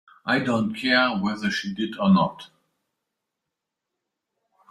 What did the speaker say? I don't care whether she did or not.